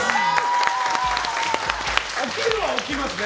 起きるは起きますね。